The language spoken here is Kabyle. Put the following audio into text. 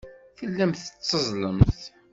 Tellamt tetteẓẓlemt.